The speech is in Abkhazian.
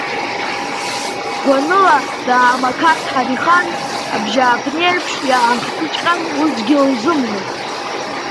Гәаныла даамақарт Ҳарихан, абжьааԥнеиԥш иаахтыҵәҟьан усгьы илзымҳәеит.